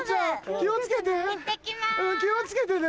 気を付けてね。